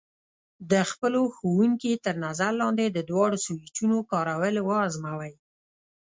د خپلو ښوونکي تر نظر لاندې د دواړو سویچونو کارول وازموئ.